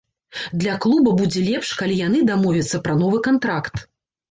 Для клуба будзе лепш, калі яны дамовяцца пра новы кантракт.